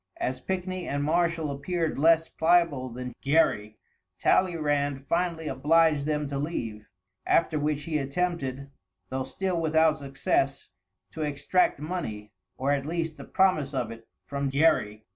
As Pickney and Marshall appeared less pliable than Gerry, Talleyrand finally obliged them to leave, after which he attempted, though still without success, to extract money, or at least the promise of it, from Gerry.